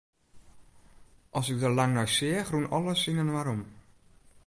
As ik der lang nei seach, rûn alles yninoar om.